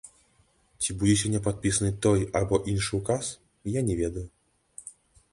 Ці будзе сёння падпісаны той або іншы ўказ, я не ведаю.